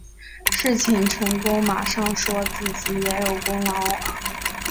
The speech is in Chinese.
事情成功马上说自己也有功劳